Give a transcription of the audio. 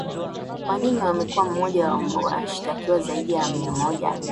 Kwa nini alikuwa mmoja wa washitakiwa zaidi ya Mia moja